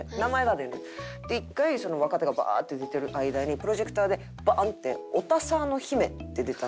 で一回その若手がバーッて出てる間にプロジェクターでバンって「オタサーのヒメ」って出たのよ。